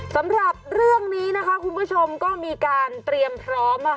สำหรับเรื่องนี้นะคะคุณผู้ชมก็มีการเตรียมพร้อม